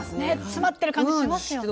詰まってる感じしますよね。